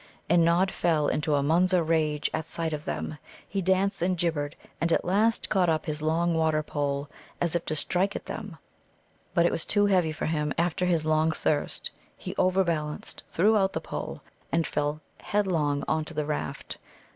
And Nod fell into a Munza rage at sight of them. He danced and gibbered, and at last caught up his long water pole, as if to strike at them; but it was too heavy for him after his long thirst; he over balanced, threw out the pole, and fell headlong on to the raft.